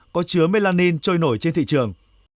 có chứa melanin trôi nổi trên thị trường